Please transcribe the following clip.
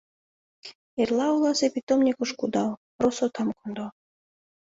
— Эрла оласе питомникыш кудал, росотам кондо.